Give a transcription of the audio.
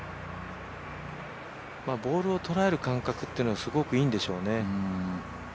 ボールを捉える感覚っていうのはすごくいいんでしょうね。